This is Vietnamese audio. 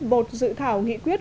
một dự thảo nghị quyết